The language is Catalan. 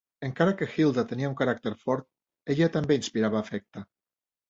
Encara que Hilda tenia un caràcter fort ella també inspirava afecte.